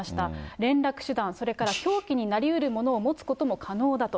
連絡手段、それから凶器になりうるものを持つことも可能だと。